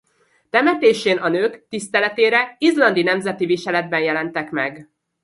Temetésén a nők tiszteletére izlandi nemzeti viseletben jelentek meg.